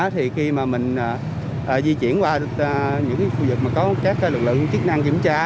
thì khi mà mình di chuyển qua những khu vực mà có các lực lượng chức năng kiểm tra